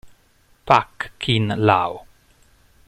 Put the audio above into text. Pak Kin Lao